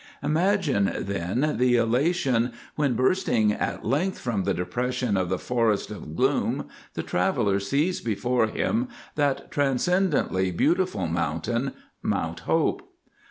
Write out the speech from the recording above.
Imagine then the elation when bursting at length from the depression of the Forest of Gloom the traveller sees before him that transcendently beautiful mountain, Mount Hope.